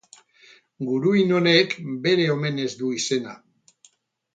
Guruin honek, bere omenez du izena.